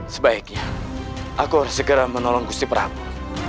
sebaiknya aku harus segera menolong gusti pramu